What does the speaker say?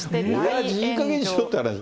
おやじ、いいかげんにしろって話。